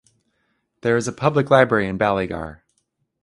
There is a public library in Ballygar.